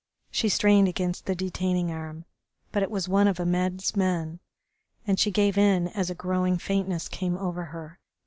She strained against the detaining arm, but it was one of Ahmed's men, and she gave in as a growing faintness came over her.